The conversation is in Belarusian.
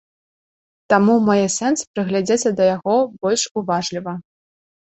Таму мае сэнс прыгледзецца да яго больш уважліва.